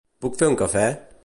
Puc fer un cafè?